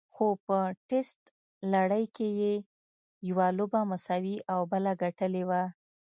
خو په ټېسټ لړۍ کې یې یوه لوبه مساوي او بله ګټلې وه.